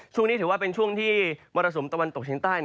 ช่วงนี้ถือว่าเป็นช่วงที่มรสุมตะวันตกเฉียงใต้